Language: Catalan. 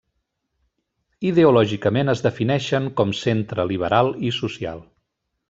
Ideològicament es defineixen com centre liberal i social.